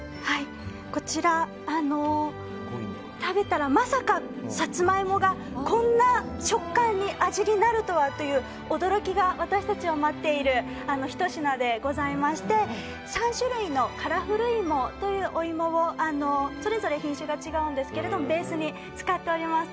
こちら、食べたらまさか、さつまいもがこんな食感に味になるとはという驚きが私たちを待っているひと品でございまして３種類のカラフル芋というお芋をそれぞれ品種が違うんですけどもベースに使っております。